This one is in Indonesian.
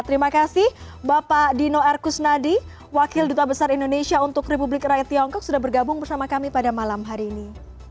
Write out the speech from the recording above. terima kasih bapak dino erkusnadi wakil duta besar indonesia untuk republik rakyat tiongkok sudah bergabung bersama kami pada malam hari ini